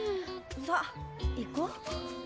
さあいこう。